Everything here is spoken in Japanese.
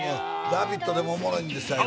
「ラヴィット！」でもおもろいんですよ